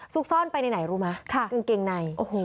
ซุกซ่อนไปในไหนรู้ไหมกางเกงในโอ้โห